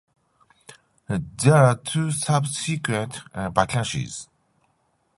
There were two subsequent vacancies.